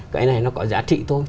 cái này nó có giá trị thôi